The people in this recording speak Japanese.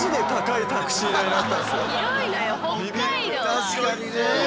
確かにね。